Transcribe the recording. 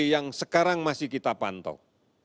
yang sekarang masih kita pantau